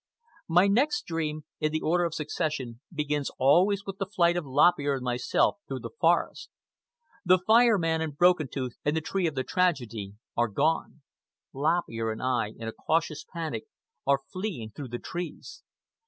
My next dream, in the order of succession, begins always with the flight of Lop Ear and myself through the forest. The Fire Man and Broken Tooth and the tree of the tragedy are gone. Lop Ear and I, in a cautious panic, are fleeing through the trees.